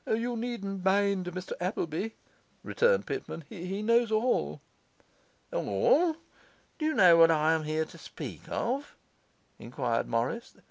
'You need not mind Mr Appleby,' returned Pitman. 'He knows all.' 'All? Do you know what I am here to speak of?' enquired Morris